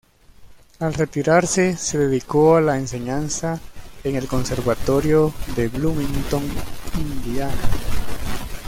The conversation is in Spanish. Al retirarse se dedicó a la enseñanza en el conservatorio de Bloomington, Indiana.